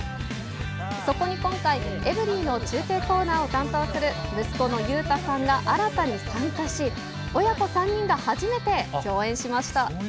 そこに今回、エブリィの中継コーナーを担当する息子の裕太さんが新たに参加し、親子３人が初めて共演しました。